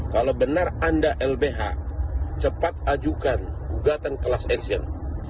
kalau benar anda lbh cepat ajukan gugatan kelas aksion